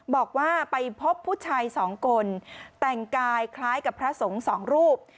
บอกว่าไปพบผู้ชายสองคนแต่งกายคล้ายกับพระสงฆ์สองรูป